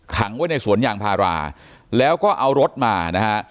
ขังไว้ในสวนยางพาราแล้วก็เอารถมานะฮะ